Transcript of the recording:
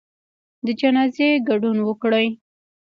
د جنازې ګډون وکړئ